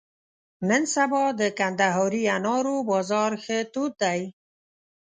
نن سبا د کندهاري انارو بازار ښه تود دی.